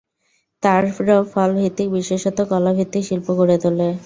তারা ফল ভিত্তিক বিশেষত কলা ভিত্তিক শিল্প গড়ে তোলে।